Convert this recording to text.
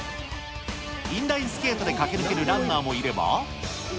インラインスケートで駆け抜けるランナーもいれば。